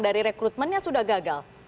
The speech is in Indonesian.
dari rekrutmennya sudah gagal